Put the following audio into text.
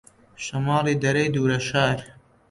شەماڵی دەرەی دوورە شاری